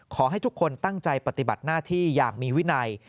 ขอให้ทุกคนตั้งใจปฏิบัติหน้าที่อย่างมีวินัย